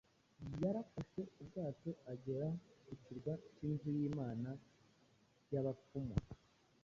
yarafahe ubwato agera ku kirwa cyinzu y’imana y’abapfumu